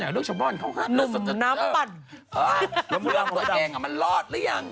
ผู้ชายตัวเองมันรอดหรือยัง